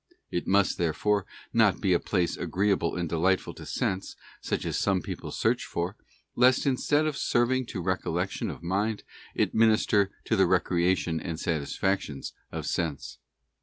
It must, therefore, not be a place agreeable and delightful to sense, such as some people search for, lest instead of serving to recollection of mind, it minister Prayer best to the recreation and satisfactions of sense.